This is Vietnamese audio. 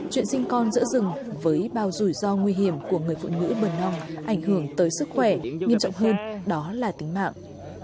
chuyện sinh con giữa rừng với bao rủi ro nguy hiểm của người phụ nữ bần non ảnh hưởng tới sức khỏe nghiêm trọng hơn đó là tính mạng